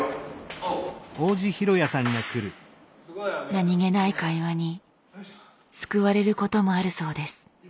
何気ない会話に救われることもあるそうです。